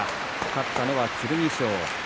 勝ったのは剣翔。